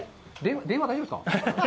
電話、大丈夫ですか？